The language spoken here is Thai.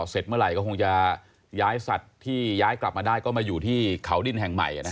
เสร็จเมื่อไหร่ก็คงจะย้ายสัตว์ที่ย้ายกลับมาได้ก็มาอยู่ที่เขาดินแห่งใหม่